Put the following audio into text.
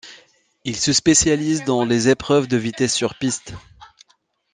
Il se spécialise dans les épreuves de vitesse sur piste.